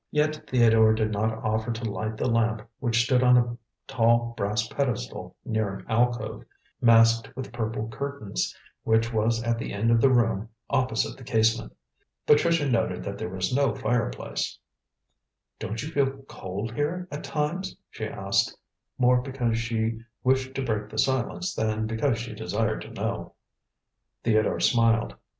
Yet Theodore did not offer to light the lamp which stood on a tall brass pedestal near an alcove, masked with purple curtains, which was at the end of the room opposite the casement. Patricia noted that there was no fire place. "Don't you feel cold here at times?" she asked, more because she wished to break the silence than because she desired to know. Theodore smiled.